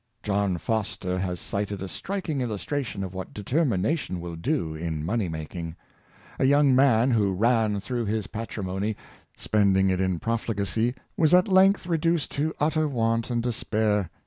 John Foster has cited a striking illustration of what determination will do in money making. A young man who ran through his patrimony, spending it in profligacy, was at length re duced to utter want and despair.